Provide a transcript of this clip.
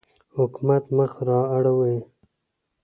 حکومت مخ را اړوي.